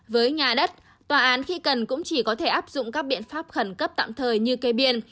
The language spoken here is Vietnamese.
với nhà đất tòa án khi cần cũng chỉ có thể áp dụng các biện pháp khẩn cấp tạm thời như cây biên